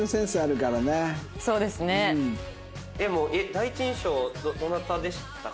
第一印象どなたでしたか？